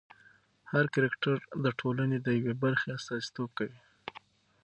هر کرکټر د ټولنې د یوې برخې استازیتوب کوي.